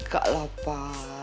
gak lah papa